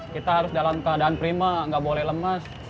kita harus dalam keadaan prima nggak boleh lemas